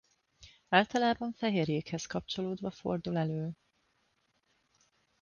Általában fehérjékhez kapcsolódva fordul elő.